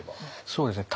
そうですね